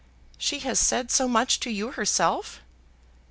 "She has said so much to you herself?"